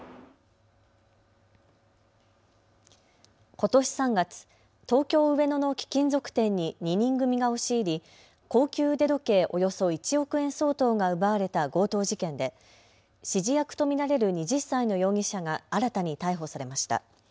ことし３月、東京上野の貴金属店に２人組が押し入り高級腕時計およそ１億円相当が奪われた強盗事件で指示役と見られる２０歳の容疑者が新たに逮捕されました。